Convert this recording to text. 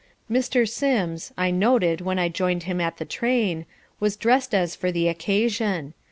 Mr. Sims, I noted when I joined him at the train, was dressed as for the occasion.